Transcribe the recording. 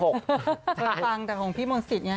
เธอฟังแต่ของพี่มนต์สิทธิไง